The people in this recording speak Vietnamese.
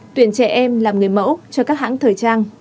tuyển trẻ em làm người mẫu cho các hãng thời trang